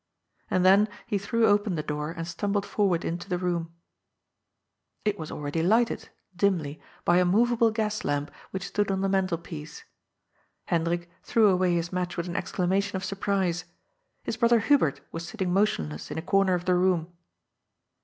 And then he threw open the door and stumbled forward into the room* 132 GOD'S POOL. It was already lighted — dimly — ^by a movable gas lamp which stood on the mantelpiece. Hendrik threw away his match with an exclamation of surprise. His brother Hubert was sitting motionless in a comer of the room.